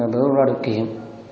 bữa ra điều kiện